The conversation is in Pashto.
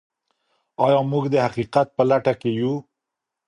آیا موږ د حقیقت په لټه کې یو؟